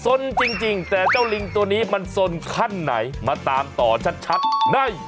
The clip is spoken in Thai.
สนจริงแต่เจ้าลิงตัวนี้มันสนขั้นไหนมาตามต่อชัดใน